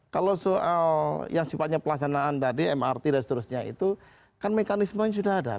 kalau soal yang sifatnya pelaksanaan tadi mrt dan seterusnya itu kan mekanismenya sudah ada